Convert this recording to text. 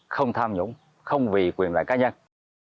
không tham nhũng không vì quyền loại cá nhân